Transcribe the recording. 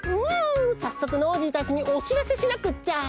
さっそくノージーたちにおしらせしなくっちゃ！